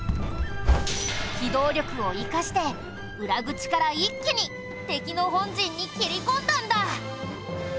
機動力を生かして裏口から一気に敵の本陣に切り込んだんだ！